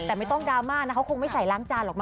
แต่ไม่ต้องดราม่านะเขาคงไม่ใส่ล้างจานหรอกม